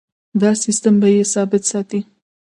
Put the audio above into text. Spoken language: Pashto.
دا سیستم بیې ثابت ساتي.